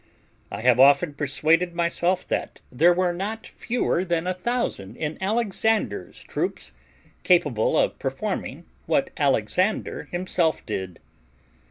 I have often persuaded myself that there were not fewer than a thousand in Alexander's troops capable of performing what Alexander himself did.